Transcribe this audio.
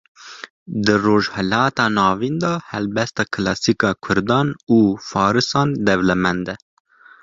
Di rojhilata navîn de helbesta kilasîk a Kurdan û farisan dewlemend e